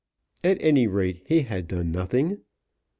At any rate he had done nothing!